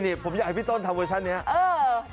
นี่ผมอยากให้พี่ต้นทำเวอร์ชันนี้